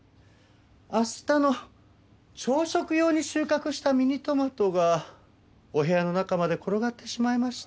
明日の朝食用に収穫したミニトマトがお部屋の中まで転がってしまいまして。